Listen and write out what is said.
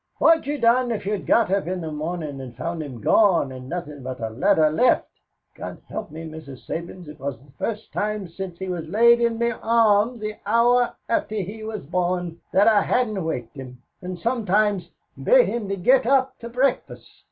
What'd you done if you'd got up in the mornin' and found him gone and nothin' but a letter left? God help me, Mrs. Sabins, it was the first time since he was laid in me arms the hour after he was born, that I hadn't waked him and sometimes bate him to get him up to breakfast.